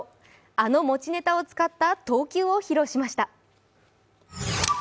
あの持ちネタを使った投球を披露しました。